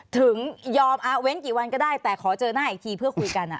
ถึงยอมเว้นกี่วันก็ได้แต่ขอเจอหน้าอีกทีเพื่อคุยกัน